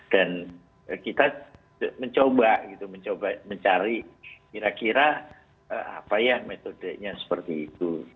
dan kita mencoba mencari kira kira apa ya metodenya seperti itu